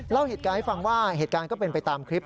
เล่าเหตุการณ์ให้ฟังว่าเหตุการณ์ก็เป็นไปตามคลิป